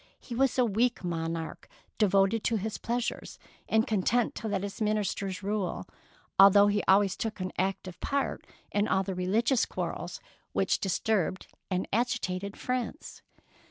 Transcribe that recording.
He was a weak monarch, devoted to his pleasures, and content to let his ministers rule, although he always took an active part 134 THE PEAKL NECKLACE in all the religions quarrels which dis turbed and agitated France.